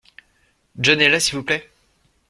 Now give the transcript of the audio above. John est là s’il vous plait ?